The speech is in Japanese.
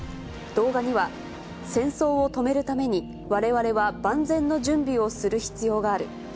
動画には、戦争を止めるために、われわれは万全の準備をする必要がある。